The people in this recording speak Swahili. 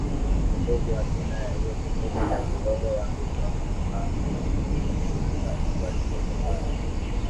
undugu hazina yetu mimi na mdogo wangu Kwamba kuwaambia ndugu watu waliogombana